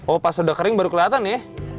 oh pas udah kering baru kelihatan ya